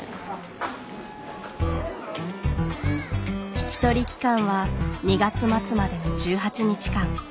引き取り期間は２月末までの１８日間。